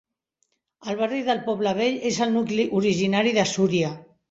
El barri del poble vell és el nucli originari de Súria.